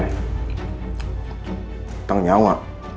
punya utang nyawa